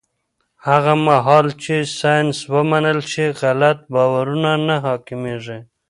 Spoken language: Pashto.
هغه مهال چې ساینس ومنل شي، غلط باورونه نه حاکمېږي.